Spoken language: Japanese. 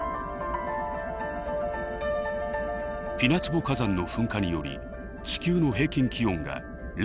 ピナツボ火山の噴火により地球の平均気温が０．４度低下しました。